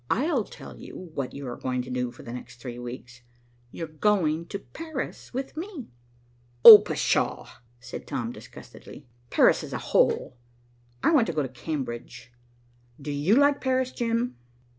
"I'll tell you what you are going to do for the next three weeks. You're going to Paris with me." "Oh, pshaw!" said Tom disgustedly. "Paris is a hole. I want to go to Cambridge. Do you like Paris, Jim?"